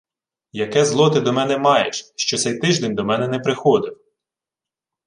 Яке зло ти до мене маєш, що цей тиждень до мене не приходив?